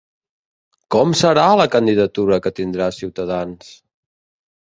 Com serà la candidatura que tindrà Ciutadans?